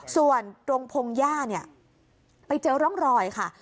ส่วนตรงพงศ์ย่าไปเจอร่องรอยค่ะ